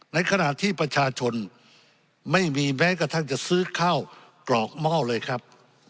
ในขณะที่ประชาชนไม่มีแม้กระทั่งจะซื้อข้าวปลอกหม้อเลยครับ